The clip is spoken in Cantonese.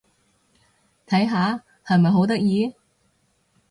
睇下！係咪好得意？